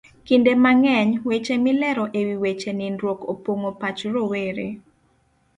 Kinde mang'eny, weche milero e wi weche nindruok opong'o pach rowere.